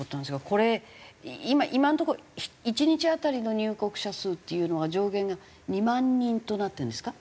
これ今のところ１日当たりの入国者数っていうのは上限が２万人となっているんですか？